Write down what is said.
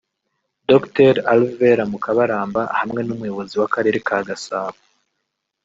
Dr Alvera Mukabaramba hamwe n’Umuyobozi w’Akarere ka Gasabo